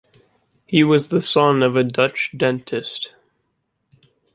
He was the son of a Dutch dentist.